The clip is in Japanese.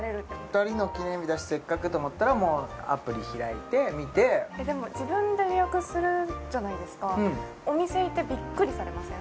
２人の記念日だしせっかくと思ったらもうアプリ開いて見てでも自分で予約するじゃないですかうんお店行ってびっくりされません？